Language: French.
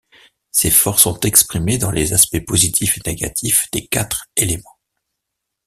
Ces forces sont exprimées dans les aspects positifs et négatifs des quatre éléments.